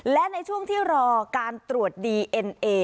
และในช่วงที่รอการตรวจดีเอ็นเอ